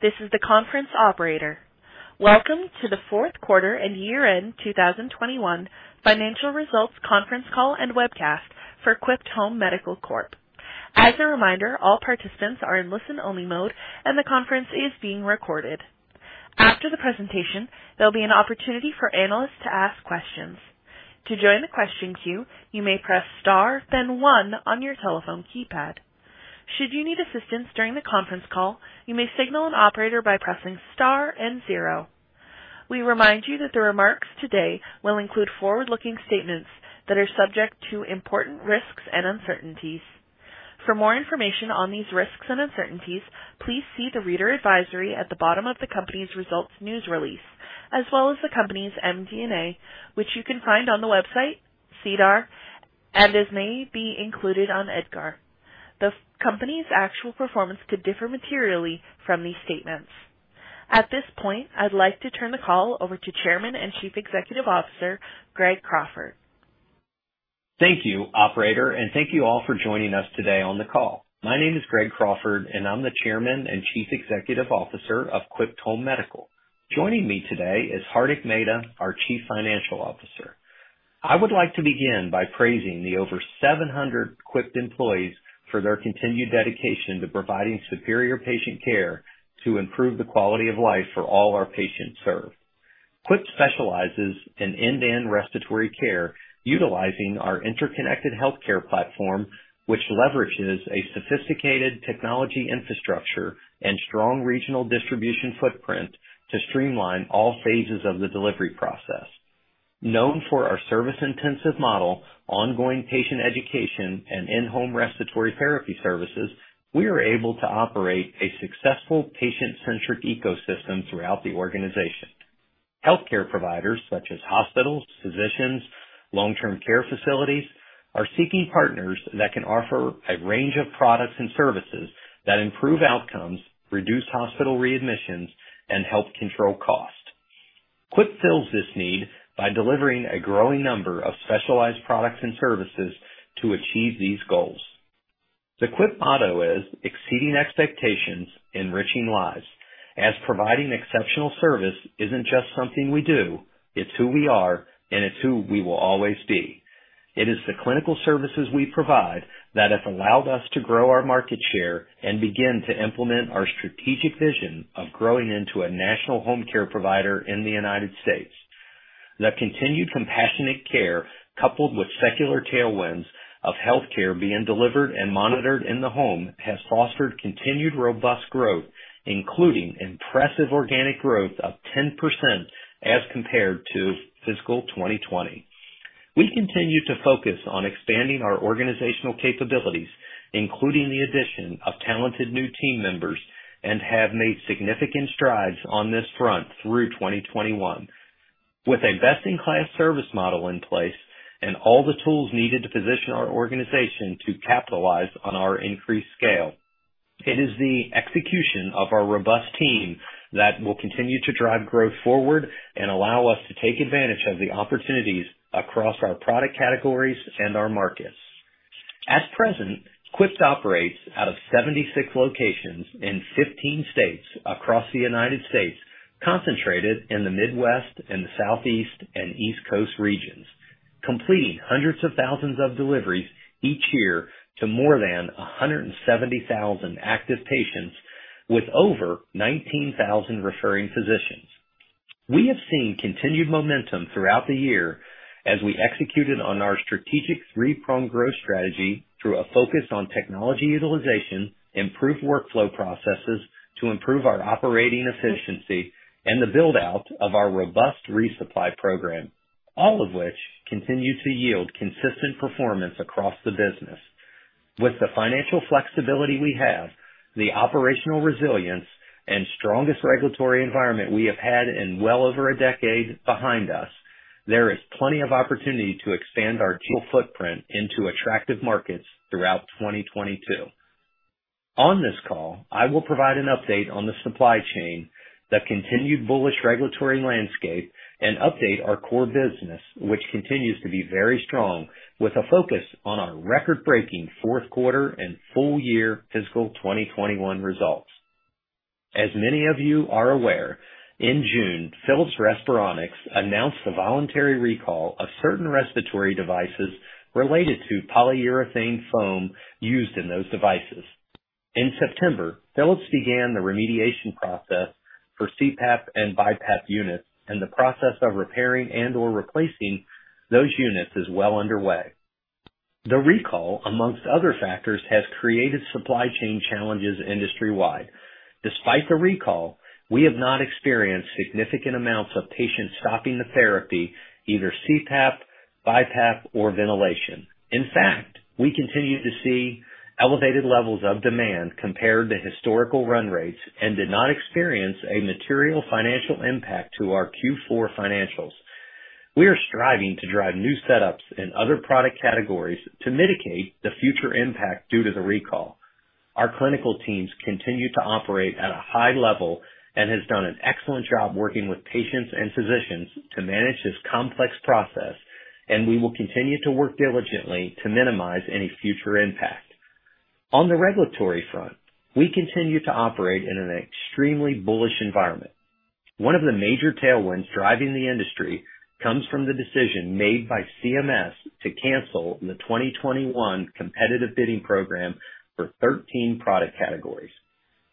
This is the conference operator. Welcome to the fourth quarter and year-end 2021 financial results conference call and webcast for Quipt Home Medical Corp. As a reminder, all participants are in listen-only mode, and the conference is being recorded. After the presentation, there'll be an opportunity for analysts to ask questions. To join the question queue, you may press star, then one on your telephone keypad. Should you need assistance during the conference call, you may signal an operator by pressing star and zero. We remind you that the remarks today will include forward-looking statements that are subject to important risks and uncertainties. For more information on these risks and uncertainties, please see the reader advisory at the bottom of the company's results news release, as well as the company's MD&A, which you can find on the website, SEDAR, and as may be included on EDGAR. The company's actual performance could differ materially from these statements. At this point, I'd like to turn the call over to Chairman and Chief Executive Officer, Greg Crawford. Thank you, operator, and thank you all for joining us today on the call. My name is Greg Crawford, and I'm the Chairman and Chief Executive Officer of Quipt Home Medical. Joining me today is Hardik Mehta, our Chief Financial Officer. I would like to begin by praising the over 700 Quipt employees for their continued dedication to providing superior patient care to improve the quality of life for all our patients served. Quipt specializes in end-to-end respiratory care utilizing our interconnected healthcare platform, which leverages a sophisticated technology infrastructure and strong regional distribution footprint to streamline all phases of the delivery process. Known for our service-intensive model, ongoing patient education, and in-home respiratory therapy services, we are able to operate a successful patient-centric ecosystem throughout the organization. Healthcare providers such as hospitals, physicians, long-term care facilities are seeking partners that can offer a range of products and services that improve outcomes, reduce hospital readmissions, and help control cost. Quipt fills this need by delivering a growing number of specialized products and services to achieve these goals. The Quipt motto is, "Exceeding expectations, enriching lives," as providing exceptional service isn't just something we do, it's who we are, and it's who we will always be. It is the clinical services we provide that have allowed us to grow our market share and begin to implement our strategic vision of growing into a national home care provider in the United States. The continued compassionate care, coupled with secular tailwinds of healthcare being delivered and monitored in the home, has fostered continued robust growth, including impressive organic growth of 10% as compared to fiscal 2020. We continue to focus on expanding our organizational capabilities, including the addition of talented new team members, and have made significant strides on this front through 2021. With a best-in-class service model in place and all the tools needed to position our organization to capitalize on our increased scale, it is the execution of our robust team that will continue to drive growth forward and allow us to take advantage of the opportunities across our product categories and our markets. At present, Quipt operates out of 76 locations in 15 states across the United States, concentrated in the Midwest and the Southeast and East Coast regions, completing hundreds of thousands of deliveries each year to more than 170,000 active patients with over 19,000 referring physicians. We have seen continued momentum throughout the year as we executed on our strategic three-pronged growth strategy through a focus on technology utilization, improved workflow processes to improve our operating efficiency, and the build-out of our robust resupply program, all of which continue to yield consistent performance across the business. With the financial flexibility we have, the operational resilience and strongest regulatory environment we have had in well over a decade behind us, there is plenty of opportunity to expand our geo footprint into attractive markets throughout 2022. On this call, I will provide an update on the supply chain, the continued bullish regulatory landscape, and update our core business, which continues to be very strong, with a focus on our record-breaking fourth quarter and full year fiscal 2021 results. As many of you are aware, in June, Philips Respironics announced the voluntary recall of certain respiratory devices related to polyurethane foam used in those devices. In September, Philips began the remediation process for CPAP and BiPAP units, and the process of repairing and/or replacing those units is well underway. The recall, among other factors, has created supply chain challenges industry-wide. Despite the recall, we have not experienced significant amounts of patients stopping the therapy, either CPAP, BiPAP or ventilation. In fact, we continue to see elevated levels of demand compared to historical run rates and did not experience a material financial impact to our Q4 financials. We are striving to drive new setups in other product categories to mitigate the future impact due to the recall. Our clinical teams continue to operate at a high level and has done an excellent job working with patients and physicians to manage this complex process, and we will continue to work diligently to minimize any future impact. On the regulatory front, we continue to operate in an extremely bullish environment. One of the major tailwinds driving the industry comes from the decision made by CMS to cancel the 2021 competitive bidding program for 13 product categories.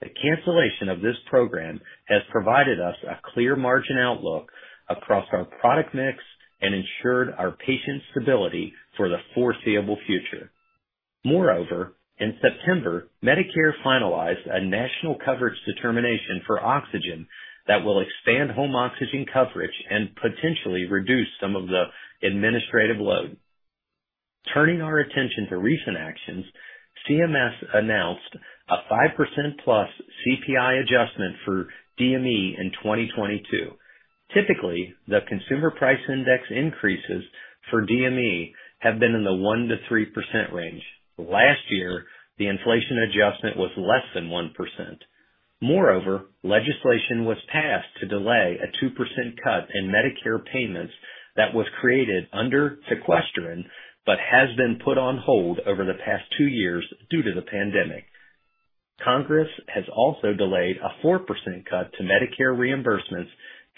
The cancellation of this program has provided us a clear margin outlook across our product mix and ensured our patient stability for the foreseeable future. Moreover, in September, Medicare finalized a national coverage determination for oxygen that will expand home oxygen coverage and potentially reduce some of the administrative load. Turning our attention to recent actions, CMS announced a 5% plus CPI adjustment for DME in 2022. Typically, the consumer price index increases for DME have been in the 1%-3% range. Last year, the inflation adjustment was less than 1%. Moreover, legislation was passed to delay a 2% cut in Medicare payments that was created under sequestration, but has been put on hold over the past two years due to the pandemic. Congress has also delayed a 4% cut to Medicare reimbursements,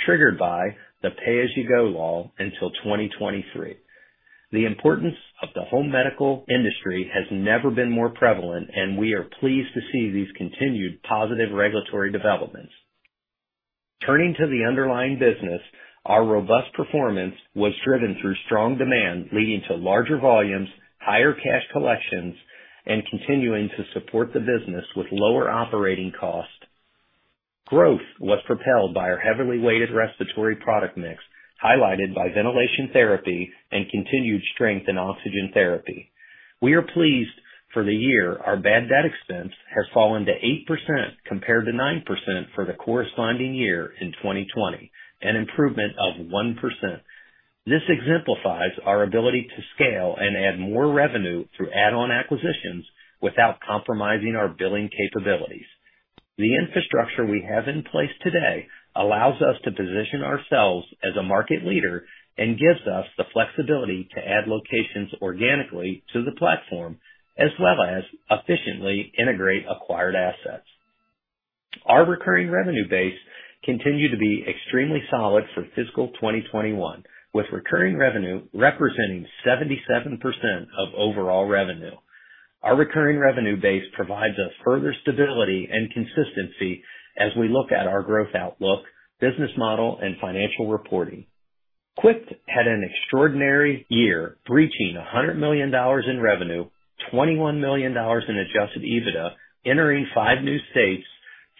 triggered by the Pay As You Go law until 2023. The importance of the home medical industry has never been more prevalent, and we are pleased to see these continued positive regulatory developments. Turning to the underlying business, our robust performance was driven through strong demand, leading to larger volumes, higher cash collections, and continuing to support the business with lower operating costs. Growth was propelled by our heavily weighted respiratory product mix, highlighted by ventilation therapy and continued strength in oxygen therapy. We are pleased for the year our bad debt expense has fallen to 8% compared to 9% for the corresponding year in 2020, an improvement of 1%. This exemplifies our ability to scale and add more revenue through add-on acquisitions without compromising our billing capabilities. The infrastructure we have in place today allows us to position ourselves as a market leader and gives us the flexibility to add locations organically to the platform, as well as efficiently integrate acquired assets. Our recurring revenue base continued to be extremely solid for fiscal 2021, with recurring revenue representing 77% of overall revenue. Our recurring revenue base provides us further stability and consistency as we look at our growth outlook, business model, and financial reporting. Quipt had an extraordinary year, reaching $100 million in revenue, $21 million in adjusted EBITDA, entering five new states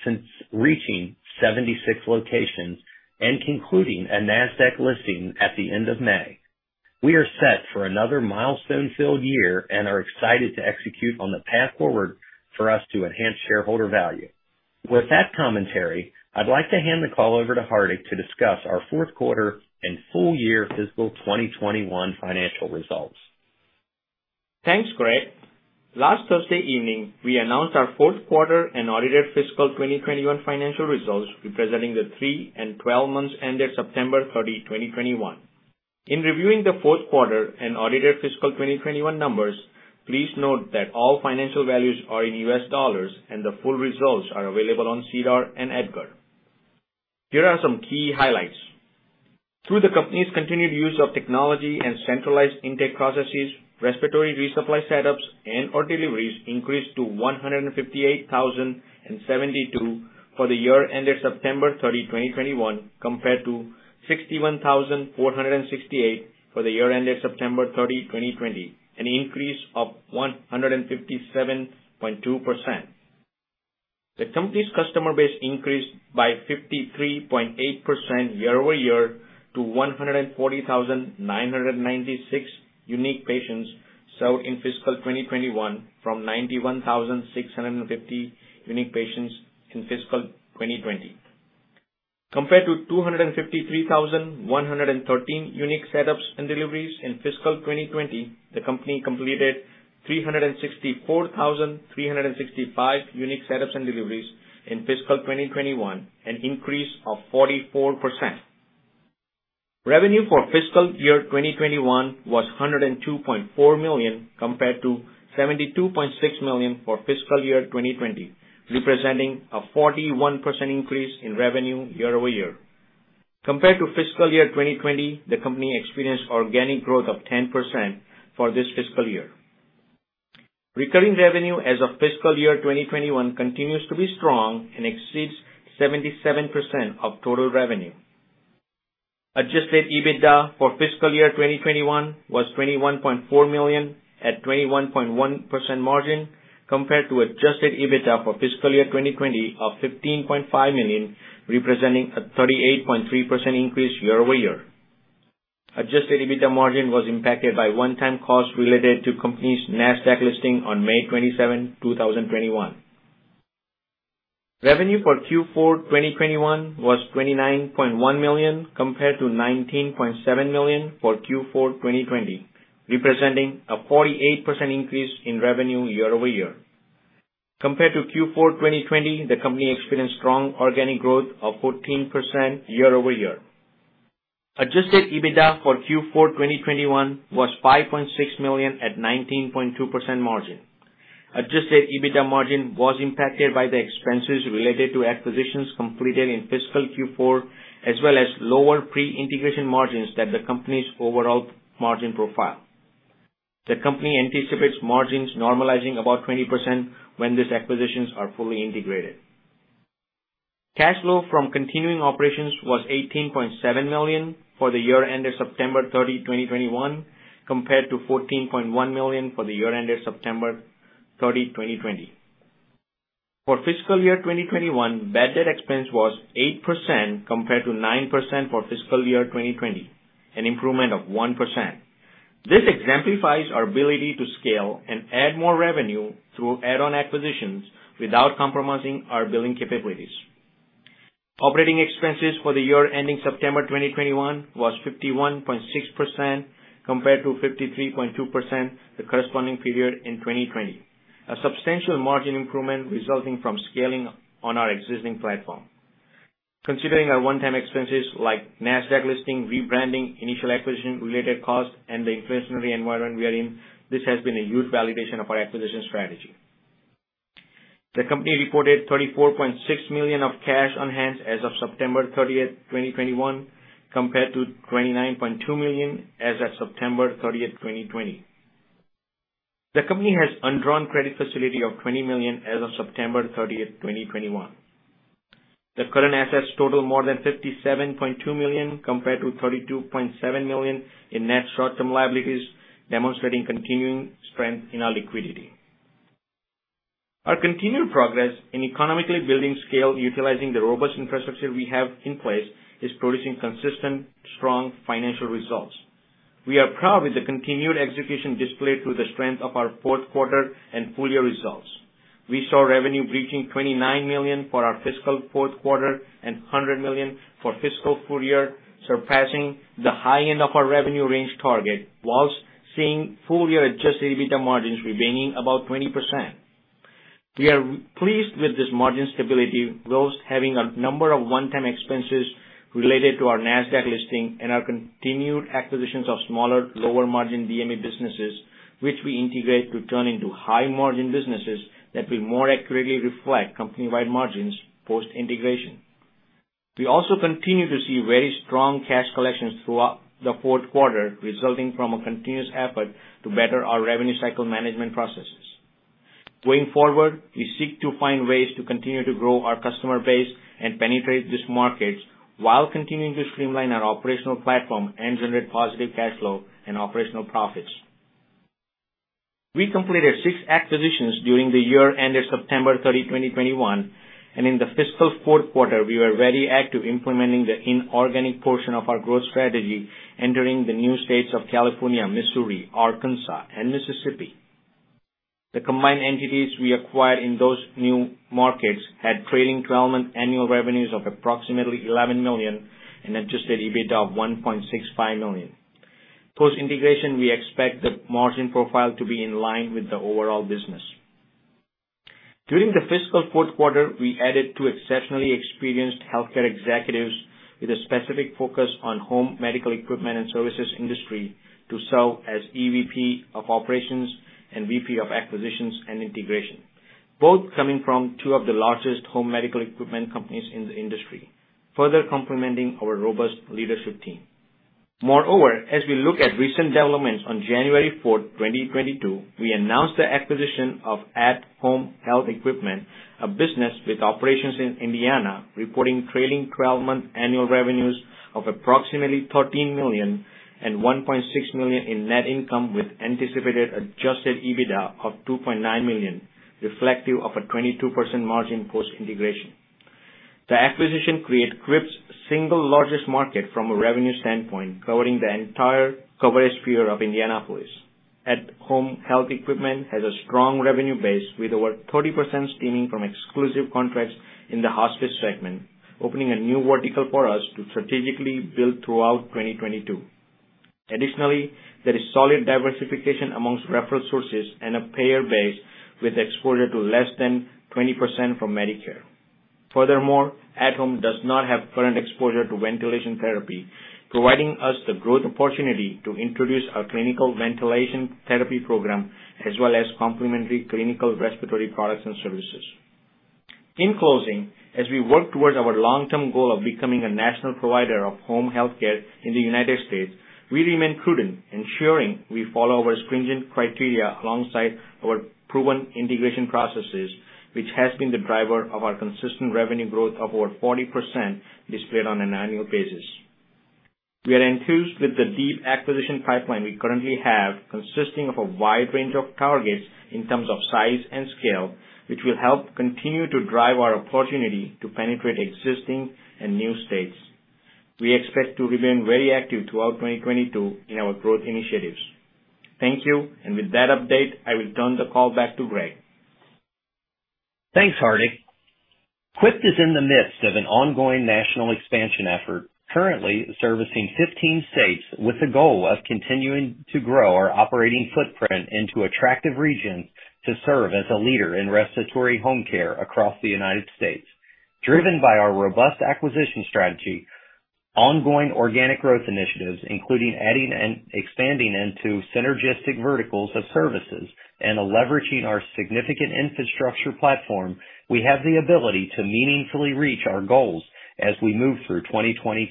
since reaching 76 locations, and concluding a NASDAQ listing at the end of May. We are set for another milestone-filled year and are excited to execute on the path forward for us to enhance shareholder value. With that commentary, I'd like to hand the call over to Hardik to discuss our fourth quarter and full year fiscal 2021 financial results. Thanks, Greg. Last Thursday evening, we announced our fourth quarter and audited fiscal 2021 financial results, representing the three and twelve months ended September 30, 2021. In reviewing the fourth quarter and audited fiscal 2021 numbers, please note that all financial values are in U.S. dollars and the full results are available on SEDAR and EDGAR. Here are some key highlights. Through the company's continued use of technology and centralized intake processes, respiratory resupply setups and/or deliveries increased to 158,072 for the year ended September 30, 2021, compared to 61,468 for the year ended September 30, 2020, an increase of 157.2%. The company's customer base increased by 53.8% year-over-year to 140,996 unique patients served in fiscal 2021 from 91,650 unique patients in fiscal 2020. Compared to 253,113 unique setups and deliveries in fiscal 2020, the company completed 364,365 unique setups and deliveries in fiscal 2021, an increase of 44%. Revenue for fiscal year 2021 was $102.4 million compared to $72.6 million for fiscal year 2020, representing a 41% increase in revenue year-over-year. Compared to fiscal year 2020, the company experienced organic growth of 10% for this fiscal year. Recurring revenue as of fiscal year 2021 continues to be strong and exceeds 77% of total revenue. Adjusted EBITDA for fiscal year 2021 was $21.4 million at 21.1% margin compared to adjusted EBITDA for fiscal year 2020 of $15.5 million, representing a 38.3% increase year-over-year. Adjusted EBITDA margin was impacted by one-time costs related to company's NASDAQ listing on May 27, 2021. Revenue for Q4 2021 was $29.1 million compared to $19.7 million for Q4 2020, representing a 48% increase in revenue year-over-year. Compared to Q4 2020, the company experienced strong organic growth of 14% year-over-year. Adjusted EBITDA for Q4 2021 was $5.6 million at 19.2% margin. Adjusted EBITDA margin was impacted by the expenses related to acquisitions completed in fiscal Q4, as well as lower pre-integration margins than the company's overall margin profile. The company anticipates margins normalizing about 20% when these acquisitions are fully integrated. Cash flow from continuing operations was $18.7 million for the year ended September 30, 2021, compared to $14.1 million for the year ended September 30, 2020. For fiscal year 2021, bad debt expense was 8% compared to 9% for fiscal year 2020, an improvement of 1%. This exemplifies our ability to scale and add more revenue through add-on acquisitions without compromising our billing capabilities. Operating expenses for the year ending September 2021 was 51.6% compared to 53.2% the corresponding period in 2020. A substantial margin improvement resulting from scaling on our existing platform. Considering our one-time expenses like NASDAQ listing, rebranding, initial acquisition-related costs, and the inflationary environment we are in, this has been a huge validation of our acquisition strategy. The company reported $34.6 million of cash on hand as of September 30, 2021, compared to $29.2 million as of September 30, 2020. The company has undrawn credit facility of $20 million as of September 30, 2021. The current assets total more than $57.2 million compared to $32.7 million in net short-term liabilities, demonstrating continuing strength in our liquidity. Our continued progress in economically building scale utilizing the robust infrastructure we have in place is producing consistent strong financial results. We are proud with the continued execution displayed through the strength of our fourth quarter and full year results. We saw revenue breaching $29 million for our fiscal fourth quarter and $100 million for fiscal full year, surpassing the high end of our revenue range target while seeing full year adjusted EBITDA margins remaining about 20%. We are pleased with this margin stability growth having a number of one-time expenses related to our NASDAQ listing and our continued acquisitions of smaller, lower margin DME businesses, which we integrate to turn into high margin businesses that will more accurately reflect company-wide margins post-integration. We also continue to see very strong cash collections throughout the fourth quarter, resulting from a continuous effort to better our revenue cycle management processes. Going forward, we seek to find ways to continue to grow our customer base and penetrate these markets while continuing to streamline our operational platform and generate positive cash flow and operational profits. We completed six acquisitions during the year ended September 30, 2021, and in the fiscal fourth quarter, we were very active implementing the inorganic portion of our growth strategy, entering the new states of California, Missouri, Arkansas, and Mississippi. The combined entities we acquired in those new markets had trailing twelve-month annual revenues of approximately $11 million and adjusted EBITDA of $1.65 million. Post-integration, we expect the margin profile to be in line with the overall business. During the fiscal fourth quarter, we added two exceptionally experienced healthcare executives with a specific focus on home medical equipment and services industry to serve as EVP of Operations and VP of Acquisitions and Integration, both coming from two of the largest home medical equipment companies in the industry, further complementing our robust leadership team. Moreover, as we look at recent developments on January 4, 2022, we announced the acquisition of At Home Health Equipment, a business with operations in Indiana, reporting trailing twelve-month annual revenues of approximately $13 million and $1.6 million in net income, with anticipated adjusted EBITDA of $2.9 million, reflective of a 22% margin post-integration. The acquisition creates Quipt's single largest market from a revenue standpoint, covering the entire coverage sphere of Indianapolis. At Home Health Equipment has a strong revenue base, with over 30% stemming from exclusive contracts in the hospice segment, opening a new vertical for us to strategically build throughout 2022. Additionally, there is solid diversification amongst referral sources and a payer base with exposure to less than 20% from Medicare. Furthermore, At Home does not have current exposure to ventilation therapy, providing us the growth opportunity to introduce our clinical ventilation therapy program as well as complementary clinical respiratory products and services. In closing, as we work towards our long-term goal of becoming a national provider of home healthcare in the United States, we remain prudent, ensuring we follow our stringent criteria alongside our proven integration processes, which has been the driver of our consistent revenue growth of over 40% displayed on an annual basis. We are enthused with the deep acquisition pipeline we currently have, consisting of a wide range of targets in terms of size and scale, which will help continue to drive our opportunity to penetrate existing and new states. We expect to remain very active throughout 2022 in our growth initiatives. Thank you. With that update, I will turn the call back to Greg. Thanks, Hardik. Quipt is in the midst of an ongoing national expansion effort, currently servicing 15 states with the goal of continuing to grow our operating footprint into attractive regions to serve as a leader in respiratory home care across the United States. Driven by our robust acquisition strategy. Ongoing organic growth initiatives, including adding and expanding into synergistic verticals of services and leveraging our significant infrastructure platform, we have the ability to meaningfully reach our goals as we move through 2022.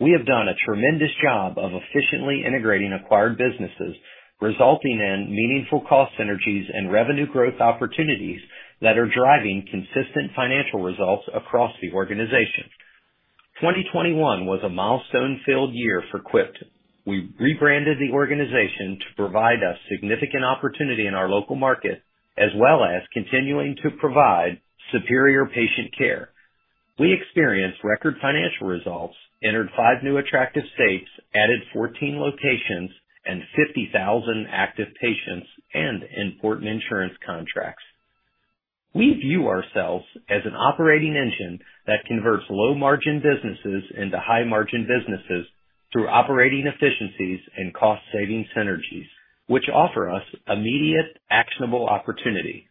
We have done a tremendous job of efficiently integrating acquired businesses, resulting in meaningful cost synergies and revenue growth opportunities that are driving consistent financial results across the organization. 2021 was a milestone-filled year for Quipt. We rebranded the organization to provide a significant opportunity in our local market, as well as continuing to provide superior patient care. We experienced record financial results, entered 5 new attractive states, added 14 locations and 50,000 active patients and important insurance contracts. We view ourselves as an operating engine that converts low margin businesses into high margin businesses through operating efficiencies and cost saving synergies, which offer us immediate actionable opportunity.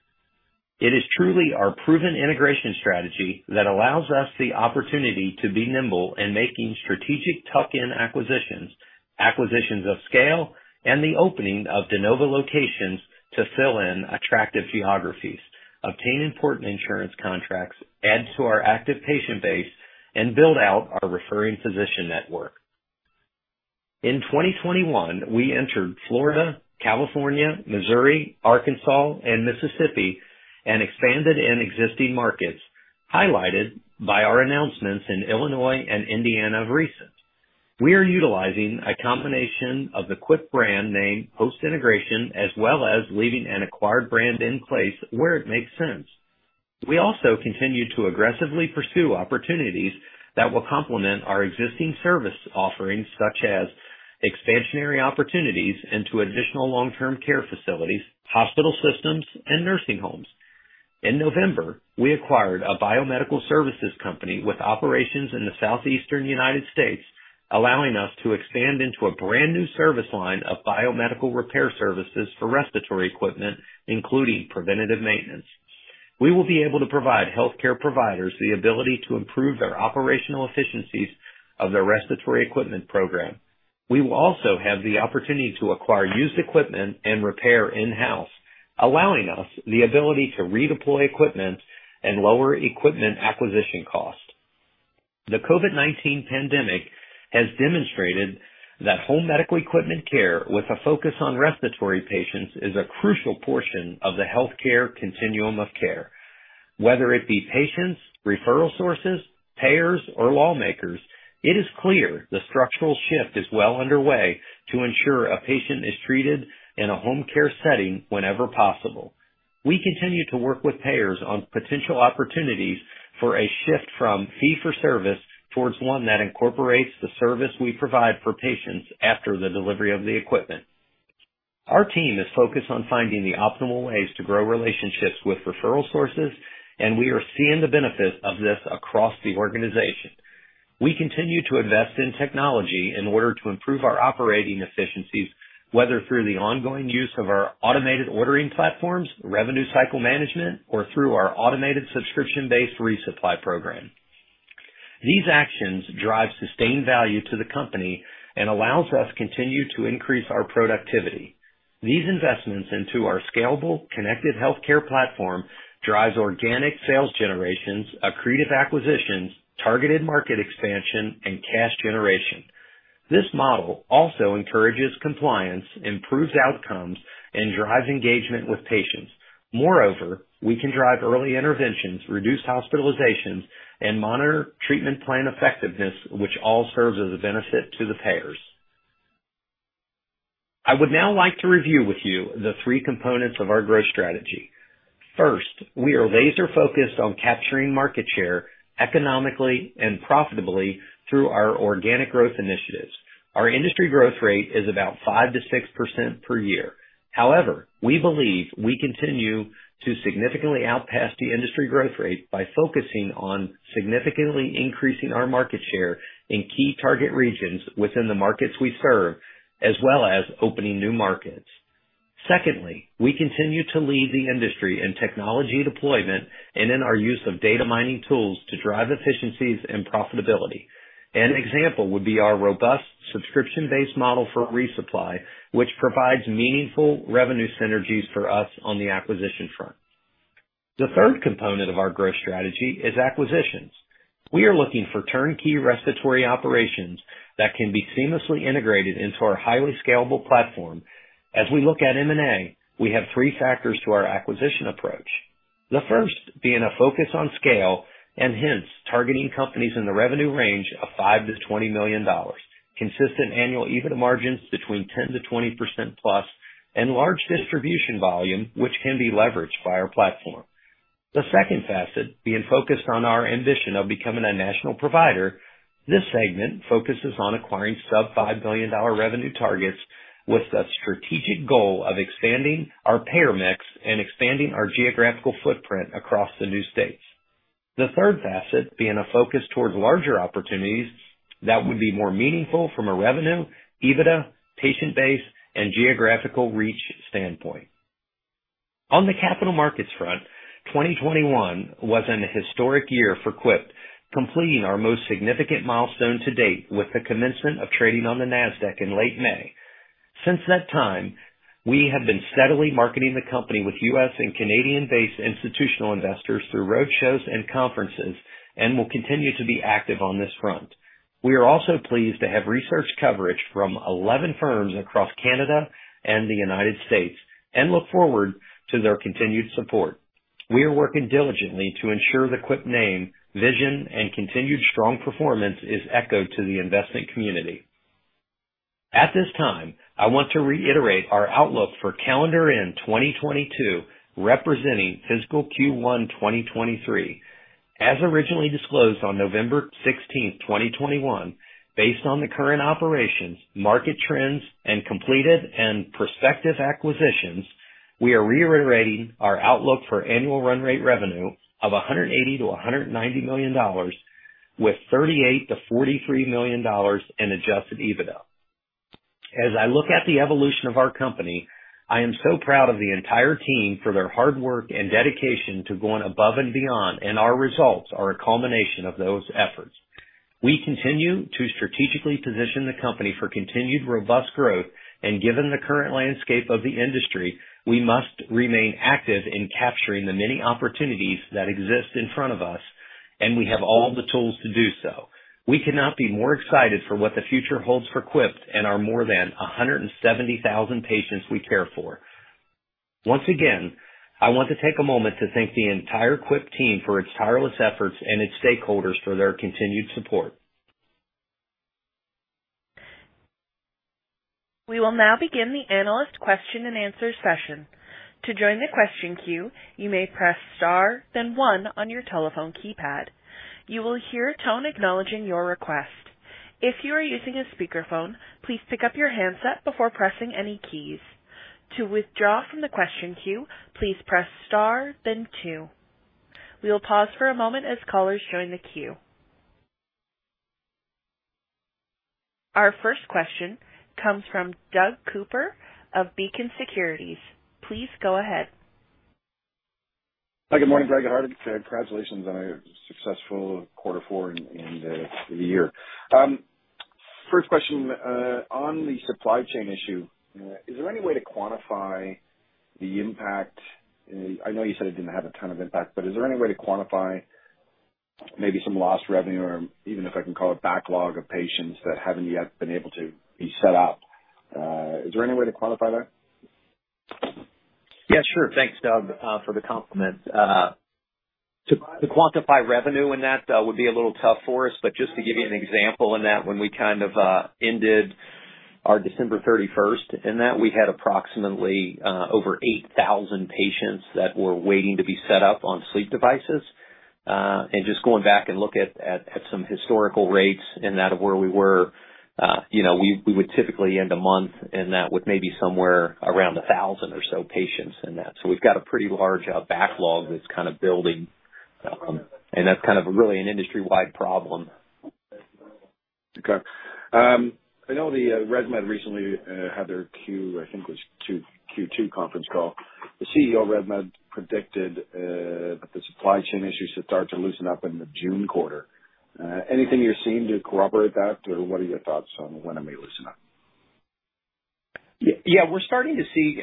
It is truly our proven integration strategy that allows us the opportunity to be nimble in making strategic tuck-in acquisitions of scale, and the opening of de novo locations to fill in attractive geographies, obtain important insurance contracts, add to our active patient base, and build out our referring physician network. In 2021, we entered Florida, California, Missouri, Arkansas and Mississippi and expanded in existing markets, highlighted by our announcements in Illinois and Indiana of recent. We are utilizing a combination of the Quipt brand name post-integration, as well as leaving an acquired brand in place where it makes sense. We also continue to aggressively pursue opportunities that will complement our existing service offerings, such as expansionary opportunities into additional long-term care facilities, hospital systems and nursing homes. In November, we acquired a biomedical services company with operations in the southeastern United States, allowing us to expand into a brand new service line of biomedical repair services for respiratory equipment, including preventative maintenance. We will be able to provide healthcare providers the ability to improve their operational efficiencies of their respiratory equipment program. We will also have the opportunity to acquire used equipment and repair in-house, allowing us the ability to redeploy equipment and lower equipment acquisition costs. The COVID-19 pandemic has demonstrated that home medical equipment care with a focus on respiratory patients is a crucial portion of the healthcare continuum of care. Whether it be patients, referral sources, payers or lawmakers, it is clear the structural shift is well underway to ensure a patient is treated in a home care setting whenever possible. We continue to work with payers on potential opportunities for a shift from fee for service towards one that incorporates the service we provide for patients after the delivery of the equipment. Our team is focused on finding the optimal ways to grow relationships with referral sources, and we are seeing the benefits of this across the organization. We continue to invest in technology in order to improve our operating efficiencies, whether through the ongoing use of our automated ordering platforms, revenue cycle management, or through our automated subscription-based resupply program. These actions drive sustained value to the company and allows us to continue to increase our productivity. These investments into our scalable connected healthcare platform drives organic sales generations, accretive acquisitions, targeted market expansion and cash generation. This model also encourages compliance, improves outcomes and drives engagement with patients. Moreover, we can drive early interventions, reduce hospitalizations, and monitor treatment plan effectiveness, which all serves as a benefit to the payers. I would now like to review with you the three components of our growth strategy. First, we are laser focused on capturing market share economically and profitably through our organic growth initiatives. Our industry growth rate is about 5%-6% per year. However, we believe we continue to significantly outpace the industry growth rate by focusing on significantly increasing our market share in key target regions within the markets we serve, as well as opening new markets. Secondly, we continue to lead the industry in technology deployment and in our use of data mining tools to drive efficiencies and profitability. An example would be our robust subscription-based model for resupply, which provides meaningful revenue synergies for us on the acquisition front. The third component of our growth strategy is acquisitions. We are looking for turnkey respiratory operations that can be seamlessly integrated into our highly scalable platform. As we look at M&A, we have three factors to our acquisition approach. The first being a focus on scale and hence targeting companies in the revenue range of $5-$20 million, consistent annual EBITDA margins between 10%-20% plus and large distribution volume which can be leveraged by our platform. The second facet being focused on our ambition of becoming a national provider. This segment focuses on acquiring sub $5 million revenue targets with a strategic goal of expanding our payer mix and expanding our geographical footprint across the new states. The third facet being a focus towards larger opportunities that would be more meaningful from a revenue, EBITDA, patient base and geographical reach standpoint. On the capital markets front, 2021 was an historic year for Quipt, completing our most significant milestone to date with the commencement of trading on the NASDAQ in late May. Since that time, we have been steadily marketing the company with U.S. and Canadian-based institutional investors through roadshows and conferences, and will continue to be active on this front. We are also pleased to have research coverage from 11 firms across Canada and the United States, and look forward to their continued support. We are working diligently to ensure the Quipt name, vision, and continued strong performance is echoed to the investment community. At this time, I want to reiterate our outlook for calendar 2022, representing fiscal Q1 2023. As originally disclosed on November 16, 2021. Based on the current operations, market trends, and completed and prospective acquisitions, we are reiterating our outlook for annual run rate revenue of $180 million-$190 million with $38 million-$43 million in adjusted EBITDA. As I look at the evolution of our company, I am so proud of the entire team for their hard work and dedication to going above and beyond, and our results are a culmination of those efforts. We continue to strategically position the company for continued robust growth, and given the current landscape of the industry, we must remain active in capturing the many opportunities that exist in front of us, and we have all the tools to do so. We cannot be more excited for what the future holds for Quipt and our more than 170,000 patients we care for. Once again, I want to take a moment to thank the entire Quipt team for its tireless efforts and its stakeholders for their continued support. We will now begin the question and answer session. To join the question queue you may press star then one on your telephone keypad, you will hear a tone acknowledging your request. If you are using a speaker phone please pick up your hands up before pressing any keys, to withdraw from the question queue ,please press star then two. We will pause for a moment as callers join the queue. Our first question comes from Doug Cooper of Beacon Securities. Please go ahead. Good morning, Greg and Hardik, and congratulations on a successful quarter four and the year. First question on the supply chain issue, is there any way to quantify the impact? I know you said it didn't have a ton of impact, but is there any way to quantify maybe some lost revenue or even if I can call it backlog of patients that haven't yet been able to be set up? Is there any way to quantify that? Yeah, sure. Thanks, Doug, for the compliment. To quantify revenue in that would be a little tough for us, but just to give you an example in that when we kind of ended our December 31, in that we had approximately over 8,000 patients that were waiting to be set up on sleep devices. And just going back and look at some historical rates in that of where we were, you know, we would typically end a month and that with maybe somewhere around 1,000 or so patients in that. We've got a pretty large backlog that's kind of building. That's kind of really an industry-wide problem. Okay. I know ResMed recently had their Q2 conference call. The CEO of ResMed predicted that the supply chain issues should start to loosen up in the June quarter. Anything you're seeing to corroborate that? Or what are your thoughts on when it may loosen up? Yeah, we're starting to see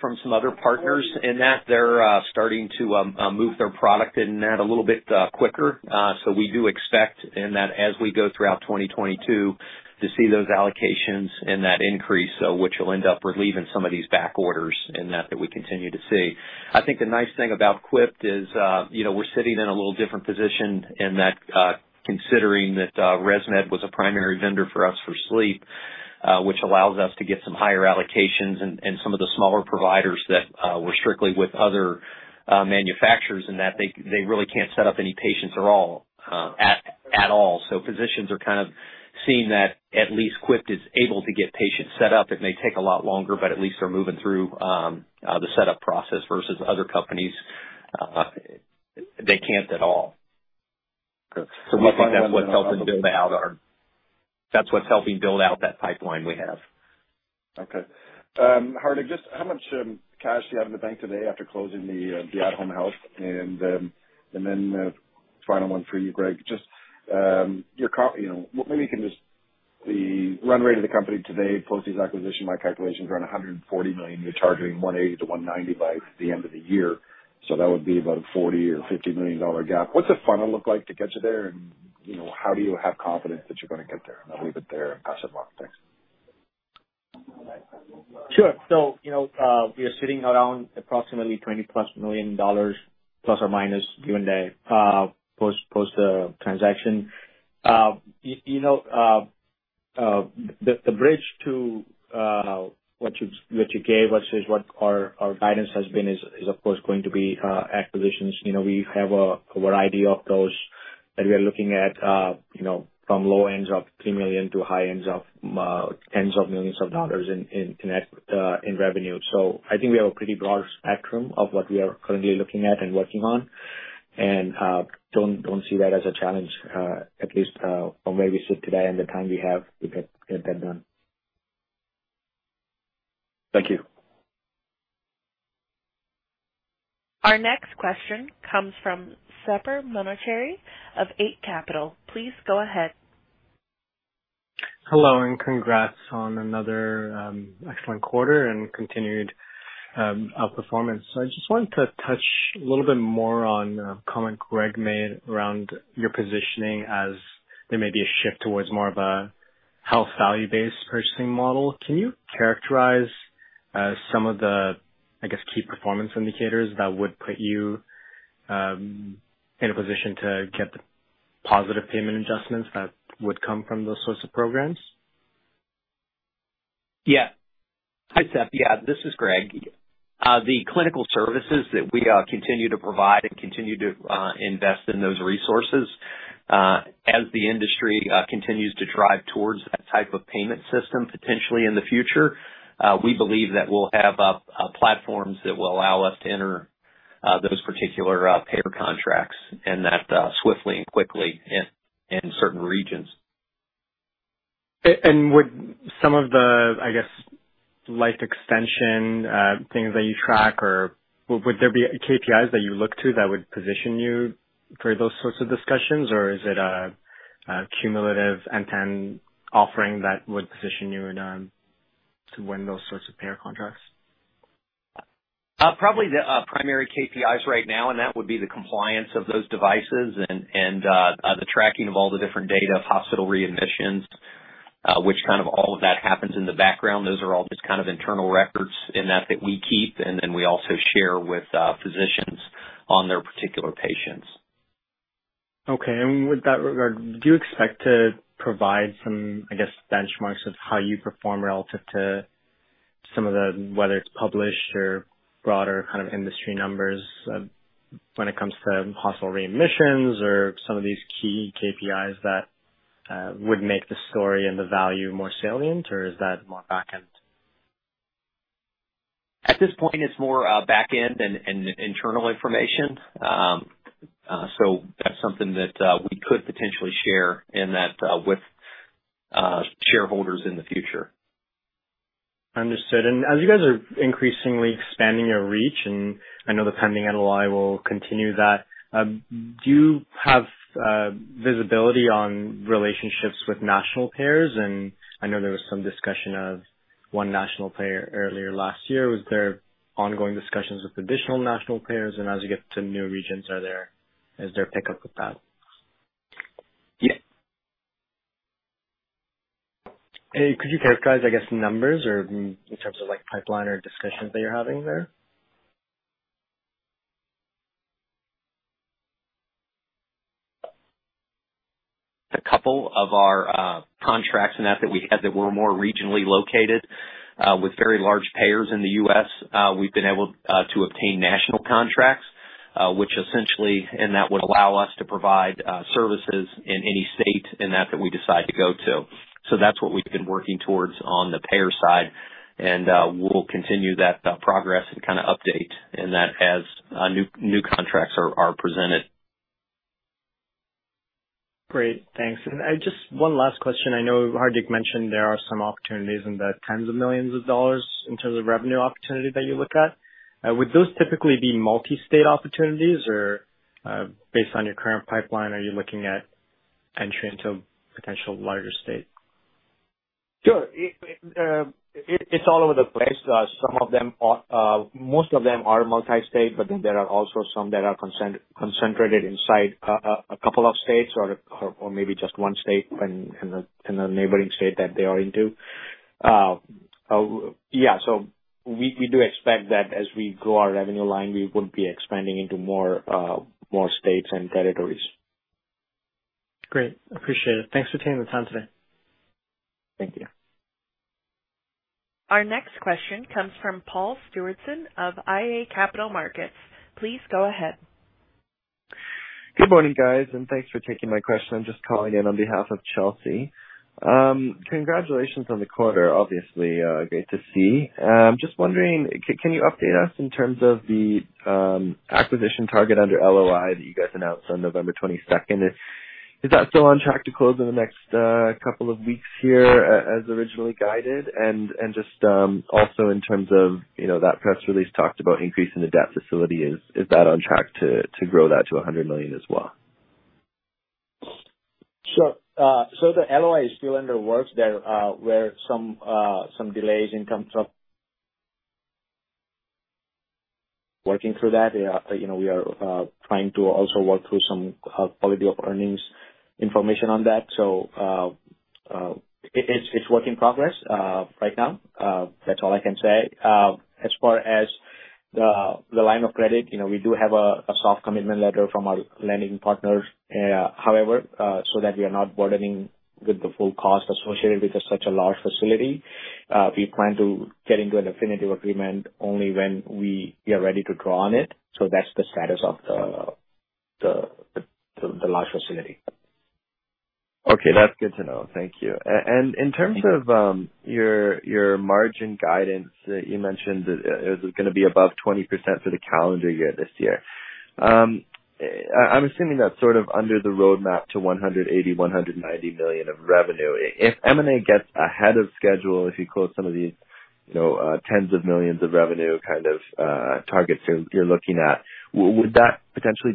from some other partners in that they're starting to move their product in that a little bit quicker. We do expect in that as we go throughout 2022 to see those allocations and that increase, which will end up relieving some of these back orders in that we continue to see. I think the nice thing about Quipt is, you know, we're sitting in a little different position in that, considering that, ResMed was a primary vendor for us for sleep, which allows us to get some higher allocations and some of the smaller providers that were strictly with other manufacturers in that they really can't set up any patients at all. Physicians are kind of seeing that at least Quipt is able to get patients set up. It may take a lot longer, but at least they're moving through the setup process versus other companies they can't at all. Okay. That's what's helping build out that pipeline we have. Okay. Hardik, just how much cash do you have in the bank today after closing the At Home Health? And then final one for you, Greg, just the run rate of the company today, plus these acquisitions, my calculations run $140 million. You're targeting $180 million-$190 million by the end of the year. So that would be about a $40 million or $50 million gap. What's the funnel look like to get you there? You know, how do you have confidence that you're gonna get there? I'll leave it there and pass it along. Thanks. Sure. You know, we are sitting around approximately $20+ million plus or minus, give and take, post transaction. You know, the bridge to what you gave us is what our guidance has been is of course going to be acquisitions. You know, we have a variety of those that we are looking at, you know, from low ends of $3 million to high ends of $10s of millions in revenue. I think we have a pretty broad spectrum of what we are currently looking at and working on. Don't see that as a challenge, at least from where we sit today and the time we have to get that done. Thank you. Our next question comes from Sepehr Manochehry of Eight Capital. Please go ahead. Hello and congrats on another excellent quarter and continued outperformance. I just wanted to touch a little bit more on a comment Greg made around your positioning as there may be a shift towards more of a health value-based purchasing model. Can you characterize some of the, I guess, key performance indicators that would put you in a position to get the positive payment adjustments that would come from those sorts of programs? Yeah. Hi, Sepehr. Yeah, this is Greg. The clinical services that we continue to provide and continue to invest in those resources, as the industry continues to drive towards that type of payment system potentially in the future, we believe that we'll have platforms that will allow us to enter those particular payer contracts and that swiftly and quickly in certain regions. Would some of the, I guess, life extension things that you track, or would there be KPIs that you look to that would position you for those sorts of discussions? Or is it a cumulative end-to-end offering that would position you in to win those sorts of payer contracts? Probably the primary KPIs right now, and that would be the compliance of those devices and the tracking of all the different data of hospital readmissions, which kind of all of that happens in the background. Those are all just kind of internal records in that we keep, and then we also share with physicians on their particular patients. Okay. With that regard, do you expect to provide some, I guess, benchmarks of how you perform relative to some of the, whether it's published or broader kind of industry numbers, when it comes to hospital readmissions or some of these key KPIs that would make the story and the value more salient, or is that more back-end? At this point, it's more back-end and internal information. That's something that we could potentially share that with shareholders in the future. Understood. As you guys are increasingly expanding your reach, and I know the pending LOI will continue that, do you have visibility on relationships with national payers? I know there was some discussion of one national payer earlier last year. Was there ongoing discussions with additional national payers? As you get to new regions, is there pickup with that? Yes. Could you characterize, I guess, numbers or in terms of, like, pipeline or discussions that you're having there? A couple of our contracts in that that we had that were more regionally located with very large payers in the U.S., we've been able to obtain national contracts, which essentially and that would allow us to provide services in any state in that that we decide to go to. That's what we've been working towards on the payer side. We'll continue that progress and kinda update in that as new contracts are presented. Great. Thanks. One last question. I know Hardik mentioned there are some opportunities in the tens of millions of dollars in terms of revenue opportunity that you look at. Would those typically be multi-state opportunities, or based on your current pipeline, are you looking at entry into potential larger state? Sure. It's all over the place. Some of them are, most of them are multi-state, but then there are also some that are concentrated inside a couple of states or maybe just one state and the neighboring state that they are into. We do expect that as we grow our revenue line, we would be expanding into more states and territories. Great. Appreciate it. Thanks for taking the time today. Thank you. Our next question comes from Paul Stewardson of iA Capital Markets. Please go ahead. Good morning, guys, and thanks for taking my question. I'm just calling in on behalf of Chelsea. Congratulations on the quarter. Obviously, great to see. Just wondering, can you update us in terms of the acquisition target under LOI that you guys announced on November twenty-second? Is that still on track to close in the next couple of weeks here as originally guided? Just also in terms of, you know, that press release talked about increasing the debt facility, is that on track to grow that to $100 million as well? The LOI is still in the works. There were some delays in terms of working through that. You know, we are trying to also work through some quality of earnings information on that. It's work in progress right now. That's all I can say. As far as the line of credit, you know, we do have a soft commitment letter from our lending partners. However, so that we are not burdening with the full cost associated with such a large facility, we plan to get into a financing agreement only when we get ready to draw on it. That's the status of the large facility. Okay. That's good to know. Thank you. In terms of your margin guidance, you mentioned that it was gonna be above 20% for the calendar year this year. I'm assuming that's sort of under the roadmap to $180 million-$190 million of revenue. If M&A gets ahead of schedule, if you close some of these, you know, tens of millions of revenue kind of targets you're looking at, would that potentially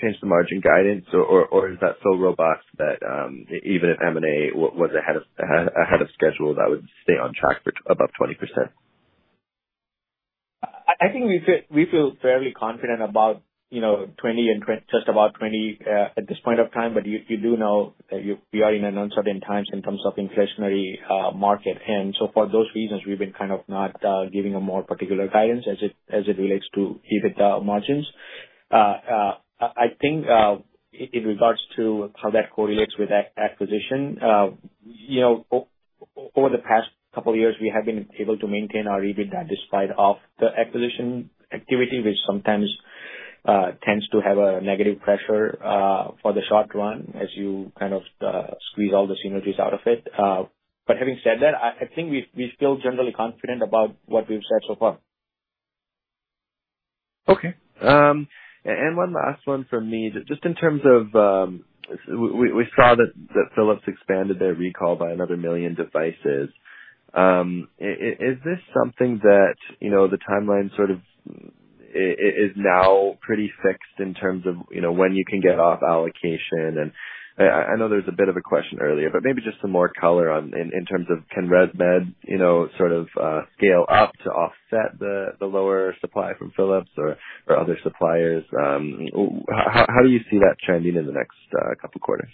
change the margin guidance? Or is that so robust that even if M&A was ahead of schedule, that would stay on track for above 20%? I think we feel fairly confident about, you know, just about 20, at this point of time. But you do know that we are in uncertain times in terms of inflationary market. For those reasons, we've been kind of not giving a more particular guidance as it relates to the margins. I think in regards to how that correlates with acquisition, you know, over the past couple years, we have been able to maintain our EBITDA despite of the acquisition activity, which sometimes tends to have a negative pressure for the short run as you kind of squeeze all the synergies out of it. But having said that, I think we feel generally confident about what we've said so far. Okay. One last one from me. Just in terms of, we saw that Philips expanded their recall by another one million devices. Is this something that, you know, the timeline sort of is now pretty fixed in terms of, you know, when you can get off allocation? I know there was a bit of a question earlier, but maybe just some more color on in terms of can ResMed, you know, sort of scale up to offset the lower supply from Philips or other suppliers. How do you see that trending in the next couple quarters?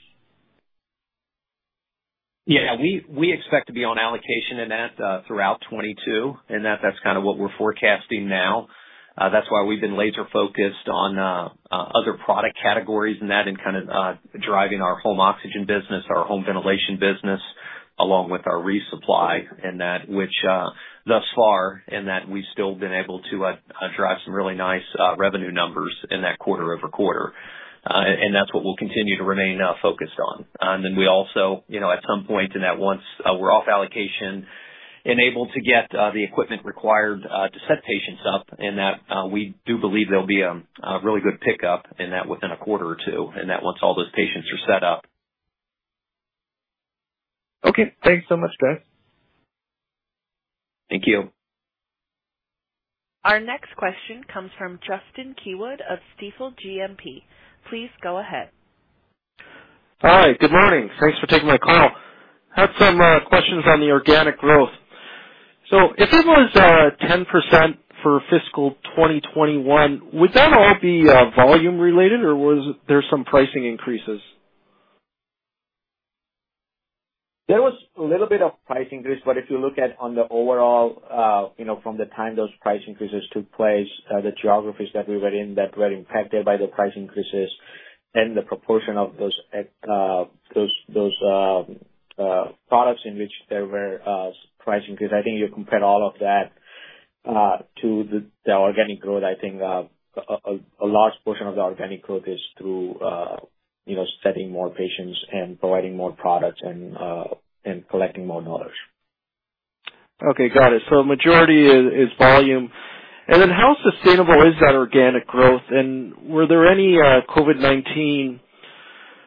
Yeah. We expect to be on allocation in that throughout 2022, and that's kind of what we're forecasting now. That's why we've been laser focused on other product categories in that and kind of driving our home oxygen business, our home ventilation business, along with our resupply in that which thus far in that we've still been able to drive some really nice revenue numbers in that quarter-over-quarter. That's what we'll continue to remain focused on. We also, you know, at some point in that once we're off allocation and able to get the equipment required to set patients up in that we do believe there'll be a really good pickup in that within a quarter or two in that once all those patients are set up. Okay. Thanks so much, guys. Thank you. Our next question comes from Justin Keywood of Stifel GMP. Please go ahead. Hi. Good morning. Thanks for taking my call. I had some questions on the organic growth. If it was 10% for fiscal 2021, would that all be volume related, or was there some pricing increases? There was a little bit of price increase, but if you look at on the overall, you know, from the time those price increases took place, the geographies that we were in that were impacted by the price increases and the proportion of those at those products in which there were price increase, I think you compare all of that to the organic growth. I think a large portion of the organic growth is through, you know, studying more patients and providing more products and collecting more knowledge. Okay, got it. Majority is volume. How sustainable is that organic growth? Were there any COVID-19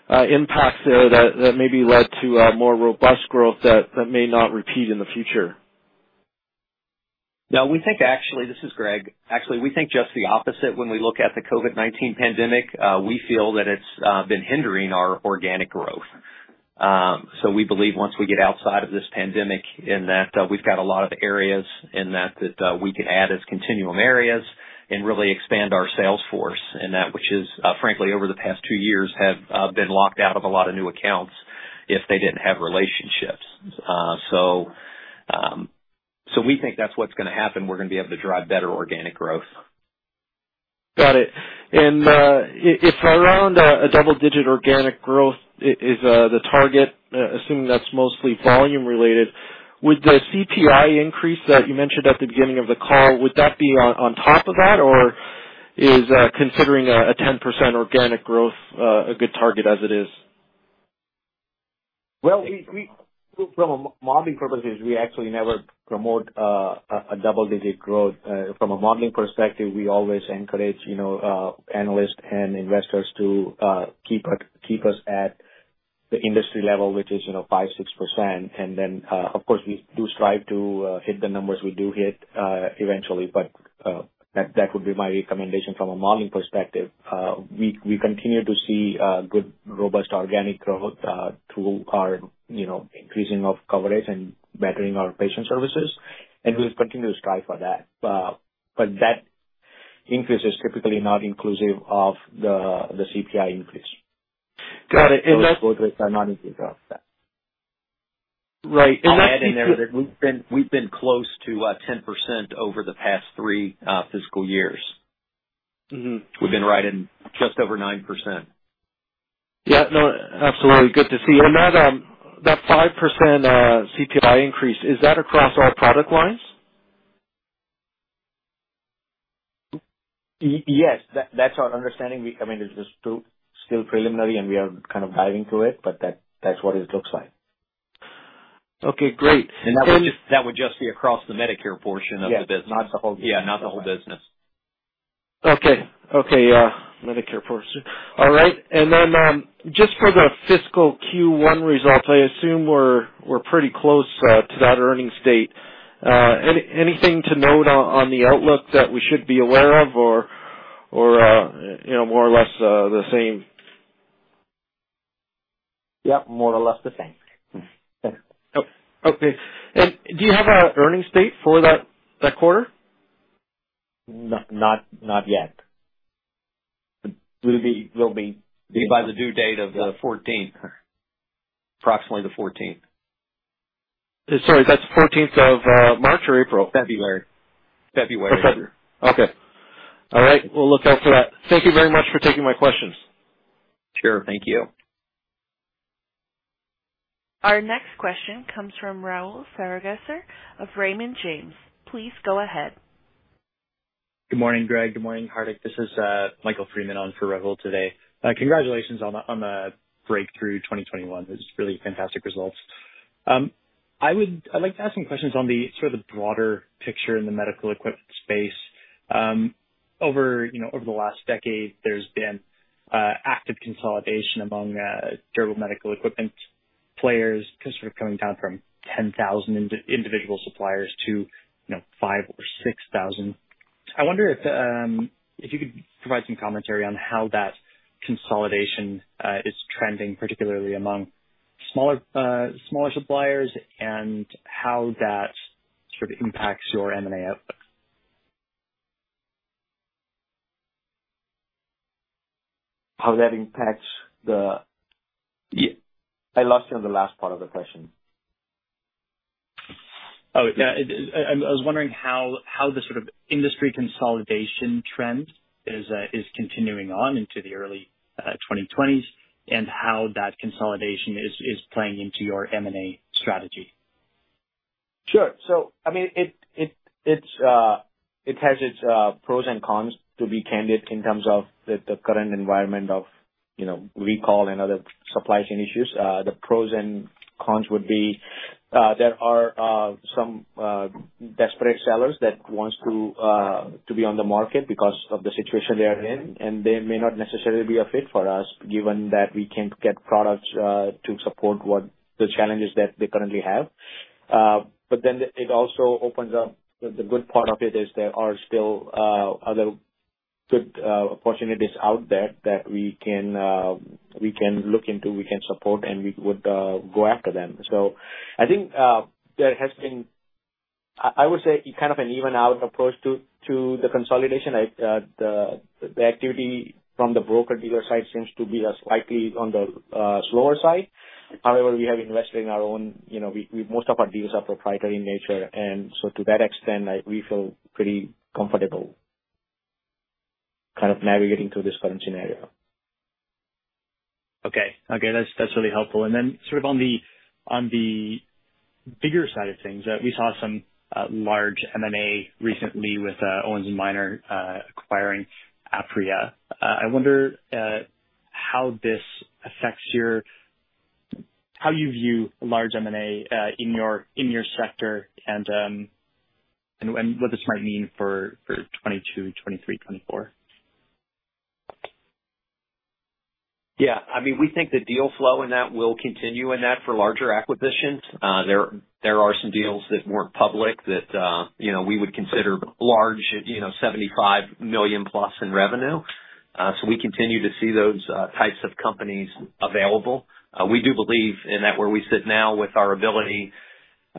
impacts there that maybe led to more robust growth that may not repeat in the future? No, we think actually. This is Greg. Actually, we think just the opposite when we look at the COVID-19 pandemic. We feel that it's been hindering our organic growth. We believe once we get outside of this pandemic that we've got a lot of areas that we can add as continuum areas and really expand our sales force in that which is frankly over the past two years have been locked out of a lot of new accounts if they didn't have relationships. We think that's what's gonna happen. We're gonna be able to drive better organic growth. Got it. If around a double-digit organic growth is the target, assuming that's mostly volume related, would the CPI increase that you mentioned at the beginning of the call be on top of that, or is considering a 10% organic growth a good target as it is? Well, from a modeling purposes, we actually never promote double-digit growth. From a modeling perspective, we always encourage, you know, analysts and investors to keep us at the industry level, which is, you know, 5%-6%. Of course, we do strive to hit the numbers we do hit eventually, but that would be my recommendation from a modeling perspective. We continue to see good, robust organic growth through our, you know, increasing of coverage and bettering our patient services, and we'll continue to strive for that. That increase is typically not inclusive of the CPI increase. Got it. Those both are not inclusive of that. Right. I'll add in there that we've been close to 10% over the past three fiscal years. Mm-hmm. We've been right in just over 9%. Yeah. No, absolutely. Good to see. That 5% CPI increase, is that across all product lines? Yes. That's our understanding. I mean, it is still preliminary, and we are kind of diving through it, but that's what it looks like. Okay, great. That would just be across the Medicare portion of the business. Yeah. Not the whole business. Yeah, not the whole business. Okay. Medicare portion. All right. Then, just for the fiscal Q1 results, I assume we're pretty close to that earnings date. Anything to note on the outlook that we should be aware of or, you know, more or less the same? Yeah, more or less the same. Okay. Do you have an earnings date for that quarter? Not yet. We'll be by the due date of the fourteenth. Approximately the fourteenth. Sorry, that's fourteenth of March or April? February. February. Okay. All right. We'll look out for that. Thank you very much for taking my questions. Sure. Thank you. Our next question comes from Rahul Sarugaser of Raymond James. Please go ahead. Good morning, Greg. Good morning, Hardik. This is Michael Freeman on for Rahul today. Congratulations on the breakthrough 2021. It was really fantastic results. I'd like to ask some questions on the sort of broader picture in the medical equipment space. Over, you know, the last decade, there's been active consolidation among durable medical equipment players just sort of coming down from 10,000 individual suppliers to, you know, 5,000 or 6,000. I wonder if you could provide some commentary on how that consolidation is trending, particularly among smaller suppliers, and how that sort of impacts your M&A outlook. How that impacts the. Yeah. I lost you on the last part of the question. Oh, yeah. I was wondering how the sort of industry consolidation trend is continuing on into the early 2020s, and how that consolidation is playing into your M&A strategy. Sure. I mean, it has its pros and cons, to be candid, in terms of the current environment of, you know, recall and other supply chain issues. The pros and cons would be, there are some desperate sellers that wants to be on the market because of the situation they are in, and they may not necessarily be a fit for us, given that we can't get products to support what the challenges that they currently have. It also opens up the good part of it is there are still other good opportunities out there that we can look into, we can support, and we would go after them. I think there has been I would say kind of an even out approach to the consolidation. The activity from the broker dealer side seems to be slightly on the slower side. However, we have invested in our own. You know, we most of our deals are proprietary in nature. To that extent, we feel pretty comfortable kind of navigating through this current scenario. Okay. That's really helpful. Sort of on the bigger side of things, we saw some large M&A recently with Owens & Minor acquiring Apria. I wonder how you view large M&A in your sector and what this might mean for 2022, 2023, 2024. Yeah, I mean, we think the deal flow in that will continue for larger acquisitions. There are some deals that weren't public that you know, we would consider large, you know, $75 million+ in revenue. So we continue to see those types of companies available. We do believe that where we sit now with our ability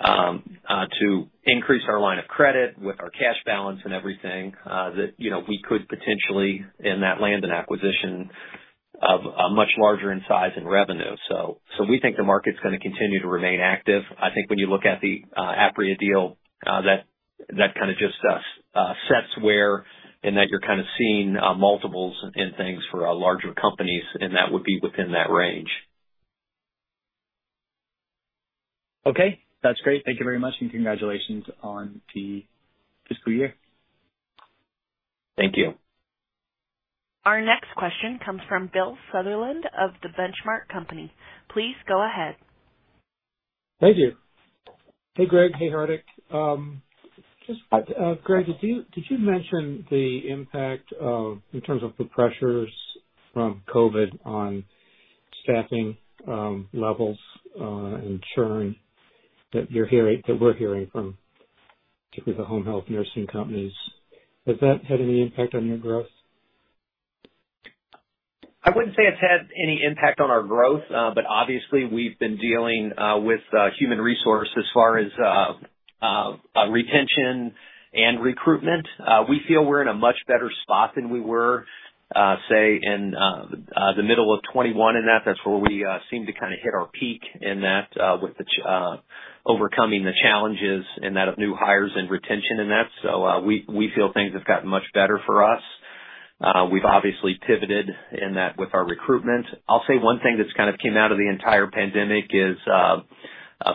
to increase our line of credit with our cash balance and everything, you know, we could potentially land an acquisition of a much larger in size and revenue. We think the market's gonna continue to remain active. I think when you look at the Apria deal, that kind of just sets where and that you're kind of seeing multiples in things for our larger companies, and that would be within that range. Okay, that's great. Thank you very much, and congratulations on the fiscal year. Thank you. Our next question comes from Bill Sutherland of The Benchmark Company. Please go ahead. Thank you. Hey, Greg. Hey, Hardik. Just, Greg, did you mention the impact of, in terms of the pressures from COVID on staffing levels and churn that we're hearing from particularly the home health nursing companies? Has that had any impact on your growth? I wouldn't say it's had any impact on our growth, but obviously we've been dealing with human resources as far as retention and recruitment. We feel we're in a much better spot than we were, say, in the middle of 2021 and that. That's where we seemed to kind of hit our peak in that with overcoming the challenges and that of new hires and retention in that. We feel things have gotten much better for us. We've obviously pivoted in that with our recruitment. I'll say one thing that's kind of came out of the entire pandemic is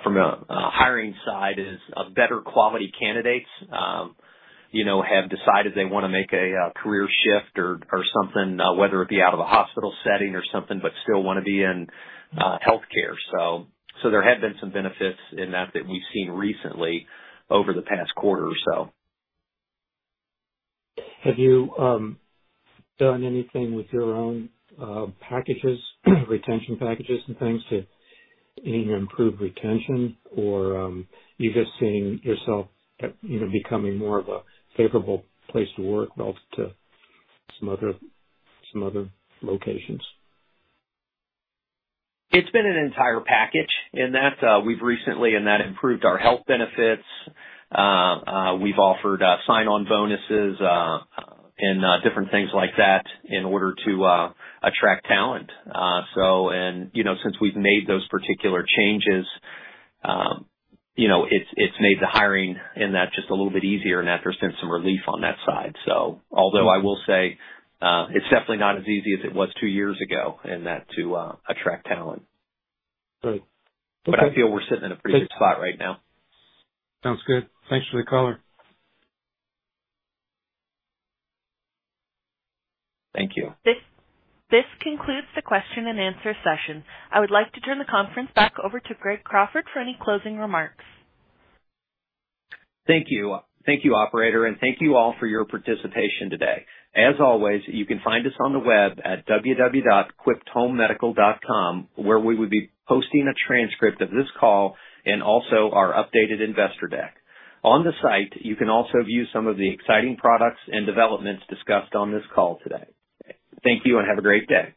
from a hiring side is better quality candidates, you know, have decided they wanna make a career shift or something. Whether it be out of a hospital setting or something, but still wanna be in healthcare. There have been some benefits in that we've seen recently over the past quarter or so. Have you done anything with your own packages, retention packages and things to either improve retention or you're just seeing yourself at, you know, becoming more of a favorable place to work relative to some other locations? It's been an entire package in that we've recently improved our health benefits. We've offered sign-on bonuses and different things like that in order to attract talent. You know, since we've made those particular changes, you know, it's made the hiring in that just a little bit easier, and there's been some relief on that side. Although I will say, it's definitely not as easy as it was two years ago in that to attract talent. Right. I feel we're sitting in a pretty good spot right now. Sounds good. Thanks for the color. Thank you. This concludes the question and answer session. I would like to turn the conference back over to Greg Crawford for any closing remarks. Thank you. Thank you, operator, and thank you all for your participation today. As always, you can find us on the web at www.quipthomemedical.com, where we would be posting a transcript of this call and also our updated investor deck. On the site, you can also view some of the exciting products and developments discussed on this call today. Thank you, and have a great day.